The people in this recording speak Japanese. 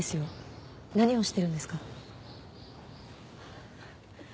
何をしてるんですか？